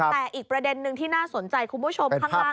แต่อีกประเด็นนึงที่น่าสนใจคุณผู้ชมข้างล่าง